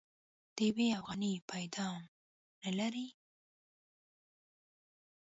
د يوې اوغانۍ پيدام نه لري.